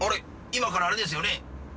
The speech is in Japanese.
今からあれですよね。